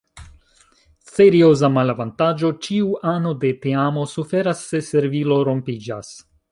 Serioza malavantaĝo: ĉiu ano de teamo suferas se servilo rompiĝas.